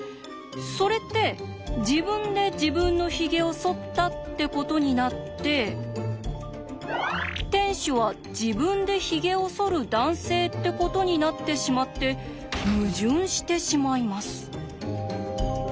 それって自分で自分のヒゲをそったってことになって店主は自分でヒゲをそる男性ってことになってしまって矛盾してしまいます。